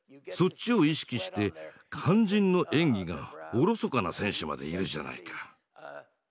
そっちを意識して肝心の演技がおろそかな選手までいるじゃないか。